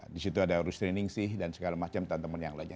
di situ ada rustri ningsih dan segala macam teman teman yang lainnya